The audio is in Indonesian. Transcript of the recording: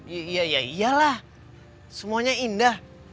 iya ya iyalah semuanya indah